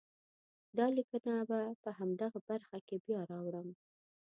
دا لیکنه به په همدغه برخه کې بیا راوړم.